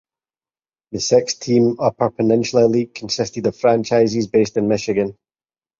The six–team Upper Peninsula League consisted of franchises based in Michigan.